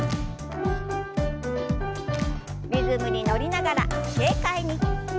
リズムに乗りながら軽快に。